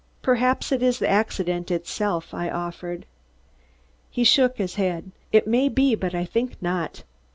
"Perhaps it is the accident itself," I offered. He shook his head. "It may be, but I think not.